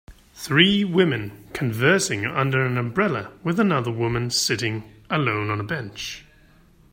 Three women conversing under an umbrella with another woman sitting alone on a bench